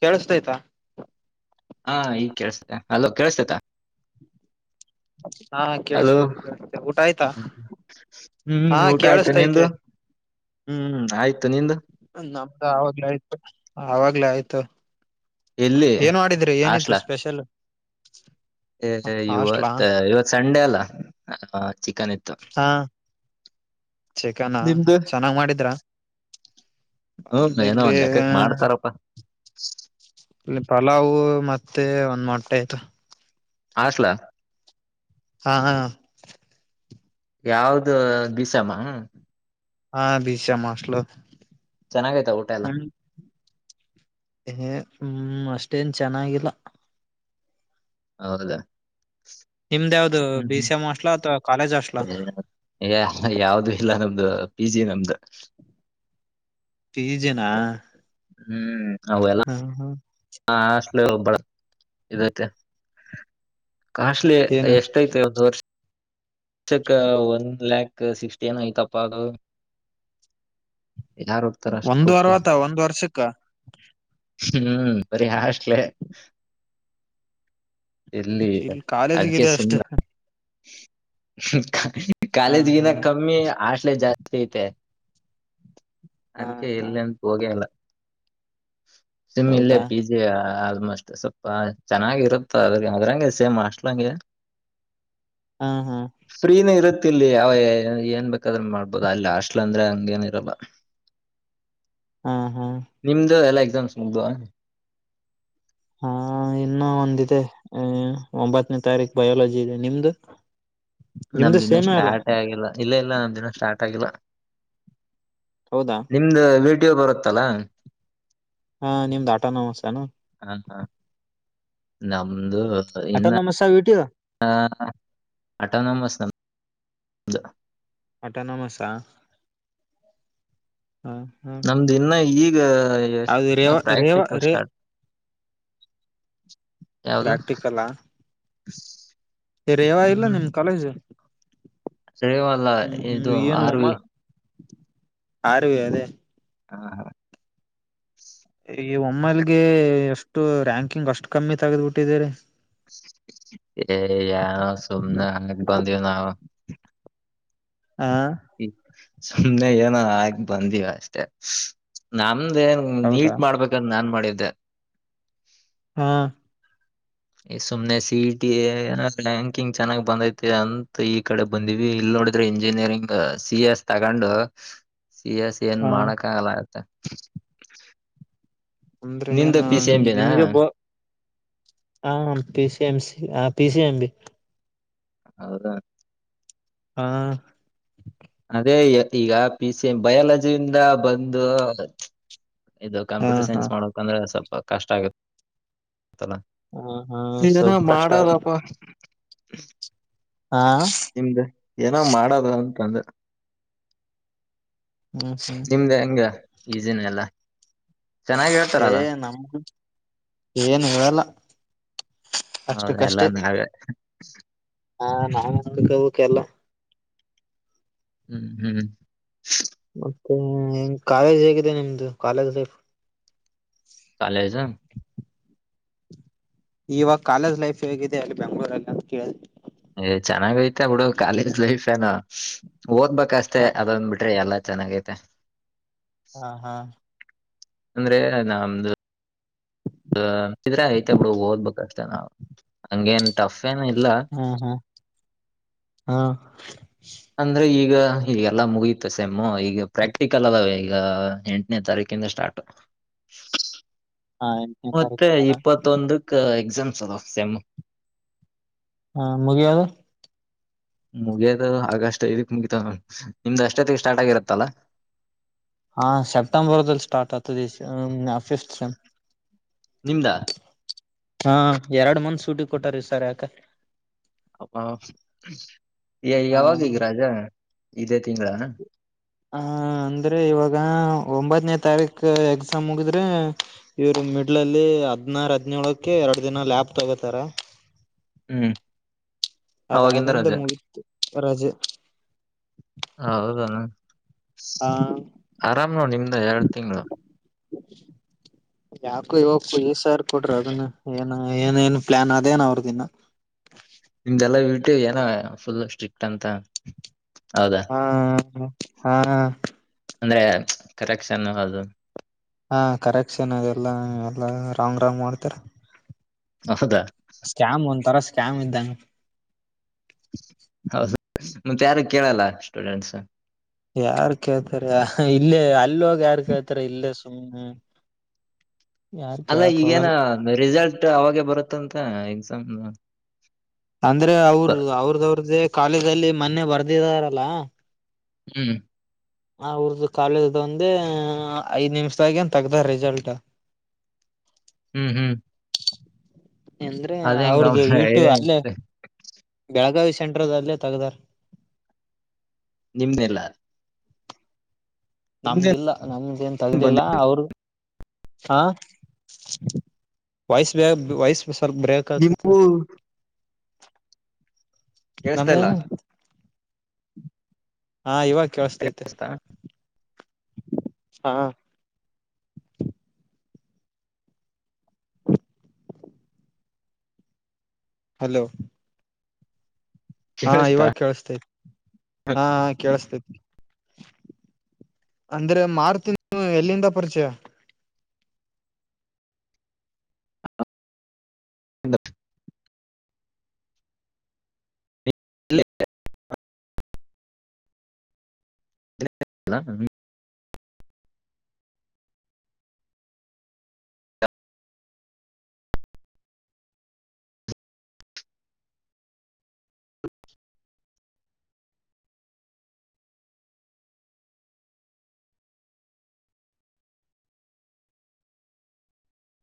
ಕೇಳಸ್ತೈ್ತಾ ಹಾ ಈಗ್ ಕೇಸತೆ ಅಲೋ ಕೇಳ್ಸತೇತ [inaudible] ಹಾ ಕೇಳಸ್ತದೆ ಕೇಳಸ್ತೇ ಊಟ ಆಯ್ತಾ ಹ್ಮ್ ಹಾ ಊಟ ಆಯ್ತು ನಿಂದು ಕೇಳಿಸತೈತೆ ಹ್ಮ್ ಆಯ್ತು ನಿಂದು ನಮ್ದ ಅವಾಗ್ಲೇ ಆಯ್ತು ಅವಾಗ್ಲೇ ಆಯ್ತು ಎಲ್ಲಿ ಏನ್ ಮಾಡಿದ್ರಿ ಏನಿತ್ತು ಹಾಸ್ಟ್ಲ ಸ್ಪೆಷಲ್ ಹಾಸ್ಟ್ಲಾ ಇವತ್ ಇವತ್ ಸಂಡೆ ಅಲ್ಲ ಚಿಕನ್ ಇತ್ತು ಹಾ ಚಿಕನಾ ಚೆನ್ನಾಗ್ ಮಾಡಿದ್ರ ಹ್ಮ ಏನೋ ಇಲ್ಲಿ ಒಂದು ಲೆಕ್ಕಕ್ ಮಾಡ್ತಾರಪ್ಪ ಇಲ್ಲಿ ಪಲವು್ ಮತ್ತೆ ಒಂದ್ ಮೊಟ್ಟೆ ಆಯ್ತು ಹಾಸ್ಟೆಲ್ ಹಾ ಹ ಯಾವ್ದ ಬಿಸಮ್ಮ ಹಾ ಬಿ ಎಂ ಮಸ್ಲ ಚೆನ್ನಾಗೈತ ಊಟ ಎಲ್ಲ ಹ ಹ್ಮ್ ಅಷ್ಟೇನ್ ಚೆನ್ನಾಗಿಲ್ಲ ಹೌದಾ ನಿಮ್ದ ಯಾವ್ದು ಹ್ಮ್ ಹ್ಮ್ ಬಿಸಿ ಮಸ್ಲಾ ಅಥವಾ ಕಾಲೇಜ್ ಹಾಸ್ಟ್ಲಾ ಯಾವ್ದು ಇಲ್ಲ ನಮ್ದು ಪಿ ಜಿ ನಮ್ದು ಬೀ ಜನಾ ಹ ಹ ಹಷ್ಟಲ ಹಬ್ಬಳ ಇತ್ತ ಕಸ್ಲಿ ಏನು ಎಷ್ಟಐತೆ ಒಂದ್ ವರ್ಷ ಛೆಕ್ಕ ಒನ್ ಲಾಕ್ ಸಿಕ್ಸ್ಟಿನ್ ಆಯ್ತಪ್ಪ ಅದು ಯಾರ್ ಹೋಗ್ತಾರ ಅಷ್ಟ್ ಒಂದ್ ವಾರ ಕೊಟ್ಟು ಆತ ಒಂದ್ ವರ್ಷಕ್ಕ ಹ್ಮ್ ಬರಿ ಹಾಷ್ಟಲ ಎಲ್ಲಿ ಇಲ್ಲಿ ಅದ್ಕ ಕಾಲೇಜಿಗಿದೆ ಅಷ್ಟೇ ಸುಮ್ಮನೆ ಹಾ ಹಾ ಕಾಲೇಜ್ಗಿನ್ನ ಕಮ್ಮಿ ಆಶ್ಲೇ ಜಾಸ್ತಿ ಐತೆ. ಹಾ ಅದಕ್ಕೆ ಹಾ ಎಲ್ಲಂತ ಹೋಗೇ ಇಲ್ಲ. ಸಮ್ಮ್ ಇಲ್ಲೇ ಹೌದಾ ಪಿಜಿಯಾ ಅಷ್ಟೆ ಸ್ವಲ್ಪ ಚೆನ್ನಾಗಿರುತ್ತ ಅದ್ರ ಅದ್ರಂಗೆ ಸೇಮ್ ಹಾಶ್ಲಂಗೆ. ಹಾ ಹಾ ಫ್ರೀನೆ ಇರದ್ ತ್ತಿಲ್ಲಿ ಯಾವ ಏನ್ ಬೇಕಾದ್ರೆ ಮಾಡ್ಬೋದು ಅಲ್ಲಿ ಹಾಸ್ಟ್ಲ್ ಅಂದ್ರೆ ಹಂಗ್ ಏನ್ ಇರಲ್ಲ. ಹಾ ಹಾ ನಿಮ್ದು ಎಲ್ಲ ಎಕ್ಸಾಮ್ಸ್ ಮುಗ್ದ್ವಾ? ಹಾ ಇನ್ನು ಒಂದಿದೆ ಒಂಭತ್ನೇ ತಾರೀಕ್ ಬಯಾಲಜಿ ಇದೆ ನಿಮ್ದು? ನಿಮ್ದು ನಮ್ದಿನ್ನು ಸೇಮೆ ಅಲ್ಲ ಸ್ಟಾರ್ಟೇ ಆಗಿಲ್ಲ ಇಲ್ಲ ಇಲ್ಲ ನಮ್ದಿನ್ನು ಸ್ಟಾರ್ಟ್ ಆಗಿಲ್ಲ. ಹೌದಾ ನಿಮ್ದ ವೀ ಟಿ ಯೋ ಬರುತ್ತಲ. ಹಾ ನಿಮ್ದ ಆಟೊನಮಸ್ ತಾನ? ಹ ಹ ನಮ್ದು ಇನ್ನಾ ಆಟೋನಮಸ ಇಟ್ಟಿದ ಅಟೊನಮಸ್ ನಮ್ದು. ಅಟೊನಮಸಾ? ನಮ್ದು ಇನ್ನ ಈಗ ಅದು ರೇವ ರೇವ ಪ್ರಾಕ್ಟಿಕಲ್ ರೇ ಸ್ಟಾರ್ಟ್ ಯಾವ್ದು ಪ್ರಾಕ್ಟಿಕಲ್ಲಾ [unintelligible] ಇಲ್ಲ ಹ್ಮ್ ನಿಮ್ ಕಾಲೇಜು? ಸೇವಲ್ಲ ಹ್ಮ್ ಹ್ಮ್ ಇದು ಏನು ಆರ್ ಉಮ ವಿ ಆರೋಗ್ಯ ಅದೇ. ಹಾ ಹಾ ಈ ಒಮ್ಮಲ್ಗೆ ಎಷ್ಟು ರ್ಯಾಂಕಿಂಗ್ ಅಷ್ಟು ಕಮ್ಮಿ ತಗದ್ ಬಿಟ್ಟಿದೀರಿ. ಏ ಯಾವ್ ಸುಮ್ನೆ ಹಾಕ್ ಬಂದಿ ನಾವು. ಹ ಸುಮ್ನೆ ಏನೋ ಹಾಗಕ್ ಬಂದವಷ್ಟೆ. ನಾಮ್ ಮುಂದೇನ್ ಹೌದಾ ನೀಟ್ ಮಾಡ್ಬೇಕಂತ ನಾನ್ ಮಾಡಿದ್ದೆ. ಹಾ ಸುಮ್ನೆ ಸಿಇಟಿ ರ್ಯಾಂಕಿಂಗ್ ಚೆನ್ನಾಗ್ ಬಂದೈತೆ ಅಂತ ಈ ಕಡೆ ಬಂದಿವಿ ಇಲ್ಲ್ ನೋಡಿದ್ರೆ ಇಂಜಿನಿಯರಿಂಗು ಸಿ ಎಸ್ ತಗೊಂಡು ಸಿ ಎಸ್ ಏನ್ ಹಾ ಮಾಡಕಾಗಲ್ಲ ಆಯ್ತ. ಅಂದ್ರೆ ನಿಂದು ಏನ ಪಿ ಸಿ ಎಂ ಬಿನಾ ನಿಮ್ಗೆ ಬ್ ಹ ಪಿ ಸಿ ಎಂ ಸಿ ಆ ಪಿ ಸಿ ಎಂ ಬಿ. ಹೌದಾ ಹಾ ಅದೇ ಈಗ ಪಿ ಸಿ ಎಂ ಬಯಾಲಜಿಯಿಂದ ಬಂದು ಇದು ಹಾ ಕಂಪ್ಯೂಟರ್ ಹಾ ಸೈನ್ಸ್ ಮಾಡ್ಬೇಕಂದ್ರೆ ಸ್ವಲ್ಪ ಕಷ್ಟ ಆಗುತ್ತೆ. ಹ್ಮ ಹಾ ಸ್ವಲ್ಪ [unintelligible] ಕಷ್ಟ ಆತ ಮಾಡದಪ್ಪ. ಹಾ ನಿಮ್ದ ಏನೋ ಮಾಡದು ಅಂತಂದೆ. ಹ್ಮ್ ಹ್ಮ್ ನಿಮ್ದ ಹೆಂಗೆ ಈಸಿನ ಎಲ್ಲ? ಚೆನ್ನಾಗಿ ಏ ಹೇಳ್ತಾರಲ್ಲ ನಮ್ದು ಏನ್ ಹೇಳಲ್ಲ. ಹೌದಾ ಎಲ್ಲ ಅಷ್ಟಕ್ಕಷ್ಟೇ ನಾವೇ. ಹಾ ನಾವೆ ನೋಡ್ಕಬೇಕೆಲ್ಲ. ಹ್ಮ್ ಹ್ಮ್ ಮತ್ತೆ ನಿಮ್ ಕಾಲೇಜ್ ಹೇಗಿದೆ ನಿಮ್ದು ಕಾಲೇಜ್ ಲೈಫ್. ಕಾಲೇಜ? ಇವಾಗ ಕಾಲೇಜ್ ಲೈಫ್ ಹೇಗಿದೆ ಅಲ್ಲಿ ಬೆಂಗ್ಳೂರಲ್ಲಿ ಅಂತ ಕೇಳಿ ಏ ಚೆನ್ನಾಗೖತೆ ಬಿಡು ಕಾಲೇಜ್ ಲೈಫ್ ಏನು. ಓದ್ಬೇಕಷ್ಟೇ ಹಾ ಅದೊಂದ್ ಬಿಟ್ರೆ ಎಲ್ಲಾ ಚೆನ್ನಾಗೈತೆ. ಹಾ ಹಾ ಅಂದ್ರೆ ನಮ್ದು ಆ ಇದ್ರೆ ಐತೆ ಬಿಡು ಓದ್ಬೇಕ ಅಷ್ಟೆ ನಾವು ಹಂಗೇನ್ ಟಫ್ ಫೇನ್ ಇಲ್ಲ ಹಾ ಹಾ ಹಾ ಅಂದ್ರೆ ಈಗ ಹ ಈಗೆಲ್ಲ ಮುಗೀತು ಸೆಮ್ಮು ಈಗ ಪ್ರಾಕ್ಟಿಕಲ್ ಅದಾವೀಗ. ಆ ಎಂಟನೇ ತಾರೀಕಿಂದ ಸ್ಟಾರ್ಟು. ಹಾ ಎಂಟನೇ ಮತ್ತೆ ತಾರೀಕಿಂದನ ಇಪ್ಪತ್ತೊಂದುಕ್ಕ ಎಕ್ಸಾಮ್ಸ್ ಅದ ಸೆಮ್ ಹಾ ಮುಗಿಯದು ಮುಗಿಯೋದು ಆಗಸ್ಟ್ ಐದಕ್ ಮುಗಿತವ್ ನೋಡು, ನಿಮ್ದ್ ಅಷ್ಟೊತ್ತಿಗೆ ಸ್ಟಾರ್ಟ್ ಆಗಿರತ್ತಲ್ಲಾ ಹಾ ಸೆಪ್ಟೆಂಬರ್ದಲ್ ಸ್ಟಾರ್ಟ್ ಆತದ್ ಈ ಸ ಫಿಫ್ತ್ ಸೆಮ್ ನಿಂದಾ ಹಾ ಎರಡ್ ಮಂತ್ ಸೂಟಿ ಕೊಟ್ಟಾರ ಈ ಸರಿ ಯಾಕ ಅ ಈಗ ಹಾ ಯಾವಾಗ್ ಈಗ್ ರಜ ಇದೇ ತಿಂಗ್ಳಾ ಹಾ ಅಂದ್ರೆ ಇವಾಗ ಒಂಬತ್ನೇ ತಾರೀಕ್ ಎಕ್ಸಾಮ್ ಮುಗಿದ್ರೆ ಇವ್ರು ಮಿಡ್ಲಲ್ಲಿ ಹದ್ನಾರ್ ಹದ್ನೇಳಕ್ಕೆ ಎರ್ಡ್ ದಿನ ಲ್ಯಾಬ್ ತಗೋತಾರೆ ಹ್ಮ್ ಅವಾಗಿಂದ ಅದಾದಂತ ರಜೆ ಮುಗಿತು ರಜೆ ಹ ಹೌದಾನ, ಆ ಆರಾಮು ನಿಮ್ದೆ ಎರ್ಡ್ ತಿಂಗ್ಳ ಯಾಕೋ ಇವಗ್ [unintelligible] ಸಾರ್ ಕೊಡ್ರಿ ಅದನ್ನ, ಏನ್ ಏನೇನ್ ಪ್ಲಾನ್ ಅದೇನ ಅವ್ರ್ದಿನ್ನ ತು ಏನಾ ಫುಲ್ ಸ್ಟ್ರಿಕ್ಟ್ ಅಂತ ಹೌದಾ ಹಾ ಹಾ ಅಂದ್ರೆ ಕರೆಕ್ಷನ್ನು ಅದು ಹಾ ಕರೆಕ್ಷನ್ ಅದೆಲ್ಲಾ ಎಲ್ಲ ರಾಂಗ್ ರಾಂಗ್ ಮಾಡ್ತರ ಹೌದಾ ಸ್ಕ್ಯಾಮ್ ಒಂತರ ಸ್ಕ್ಯಾಮ್ ಇದ್ದಂಗ್ ಮತ್ಯಾರು ಕೇಳಲ್ಲ ಸ್ಟೂಡೆಂಟ್ಸ ಯಾರ್ ಕೇಳ್ತರೆ ಹಾ ಇಲ್ಲೇ ಅಲ್ಲೋಗ್ ಯಾರ್ ಕೇಳ್ತಾರೆ ಇಲ್ಲೇ ಸುಮ್ಮ್ನೆ ಅಲ್ಲ ಈಗೇನೊ ರಿಸಲ್ಟ್ ಅವಾಗೆ ಬರುತ್ತಂತ ಎಕ್ಸಾಮ್ದು ಅಂದ್ರೆ ಅವ್ರ್ ಅವ್ರ್ದವ್ರ್ದೇ ಕಾಲೇಜಲ್ಲಿ ಮನ್ನೆ ಬರ್ದಿದಾರಲ್ಲ ಹ್ಮ್ ಅವ್ರ್ದು ಕಾಲೇಜ್ದ್ ಒಂದೆ ಐದ್ ನಿಮ್ಷದಾಗೇನ್ ತಗ್ದವ್ರ್ ರಿಸಲ್ಟ ಹ್ಮ್ ಹ್ಮ್ ಎಂದ್ರೆ ಅದ ಹೆಂಗ ಅವ್ರ್ದು ವೀಟು ಅಲ್ಲೇ ಬೆಳಗಾವಿ ಸೆಂಟ್ರದಲ್ಲೆ ತಗ್ದಾರ ನಿಮ್ದೆಲ್ಲ ನಮ್ದಿಲ್ಲ ನಮ್ದೇನ್ ತಗ್ದಿಲ್ಲ ಬಂದಿ ಅವ್ರ್ ಆಹ್, ವಾಯ್ಸ್ ಬೇ ವಾಯ್ಸ್ ಸ್ವಲ್ಪ ಬ್ರೇಕ್ ಆಗಕ್ಕತ್ತದೆ ನಿಮಗೂ ಕೇಳ್ಸ್ತಾ ಇಲ್ಲ ಹಾ ಇವಾಗ್ ಕೇಳ್ಸ್ತೈತೆ ಕೇಳಿಸ್ತಾ ಹಾ ಹಲೋ ಹಾ ಕೇಳಿಸ್ತಾ ಇವಾಗ್ ಕೇಳ್ಸ್ತೈತಿ ಹಾ ಹಾ ಕೇಳ್ಸ್ತೈತಿ ಅಂದ್ರೆ ಮಾರ್ತೀನಿ ಎಲ್ಲಿಂದ ಪರ್ಚಯ [unintelligible] [unintelligible]